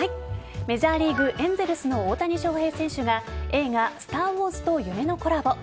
メジャーリーグエンゼルスの大谷翔平選手が映画「スター・ウォーズ」と夢のコラボ。